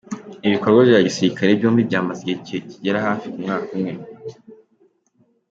Ibyo bikorwa bya gisirikare byombi byamaze igihe kigera hafi ku mwaka umwe.